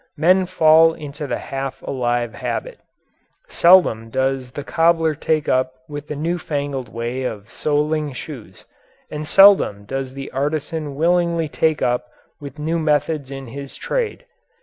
Men fall into the half alive habit. Seldom does the cobbler take up with the new fangled way of soling shoes, and seldom does the artisan willingly take up with new methods in his trade.